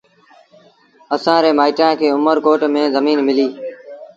اَسآݩ ري مآئيٚٽآن کي اُمرڪوٽ ميݩ زڃين مليٚ۔